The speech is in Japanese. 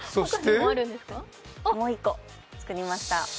もう１個、作りました。